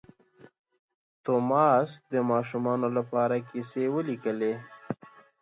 توماس د ماشومانو لپاره کیسې ولیکلې.